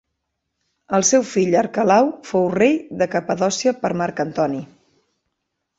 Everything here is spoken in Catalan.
El seu fill Arquelau fou fet rei de Capadòcia per Marc Antoni.